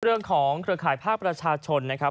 เรื่องของเครือข่ายภาคประชาชนนะครับ